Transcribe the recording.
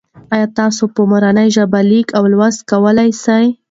آیا ته په مورنۍ ژبه لیکل او لوستل کولای سې؟